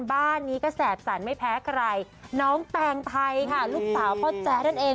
บ้านนี้ก็แสบสั่นไม่แพ้ใครน้องแตงไทยค่ะลูกสาวพ่อแจ๊นั่นเอง